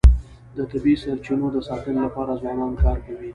د طبیعي سرچینو د ساتنې لپاره ځوانان کار کوي.